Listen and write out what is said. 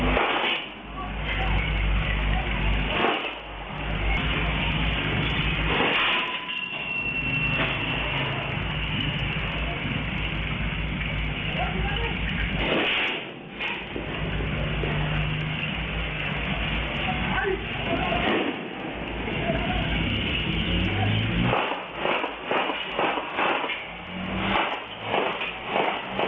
นั่นแหละนั่นแหละ